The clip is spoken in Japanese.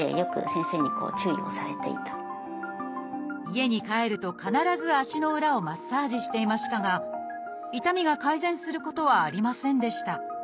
家に帰ると必ず足の裏をマッサージしていましたが痛みが改善することはありませんでした。